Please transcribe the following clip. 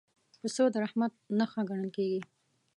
پسه د رحمت نښه ګڼل کېږي.